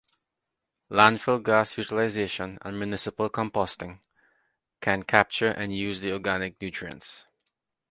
Landfill gas utilization and municipal composting can capture and use the organic nutrients.